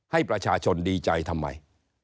ให้ประชาชนดีใจทำไม